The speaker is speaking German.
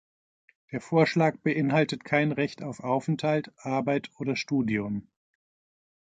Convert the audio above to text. Der Vorschlag beinhaltet kein Recht auf Aufenthalt, Arbeit oder Studium.